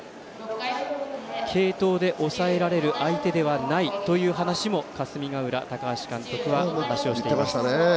継投で抑えられる相手ではないという話も霞ヶ浦、高橋監督は話をしています。